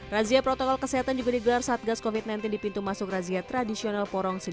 razia protokol kesehatan juga digelar saat gas covid sembilan belas dipintu masuk razia tradisional